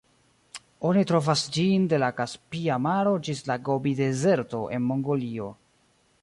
Oni trovas ĝin de la Kaspia maro ĝis la Gobi-dezerto en Mongolio.